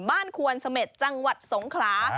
บ้านครวลเสม็จจังหวัดสงครา